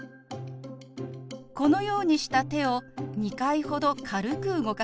このようにした手を２回ほど軽く動かします。